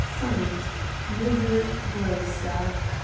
(Signed) Nepveux, grocer.